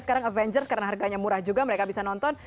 sekarang avenger karena harganya murah juga mereka bisa nonton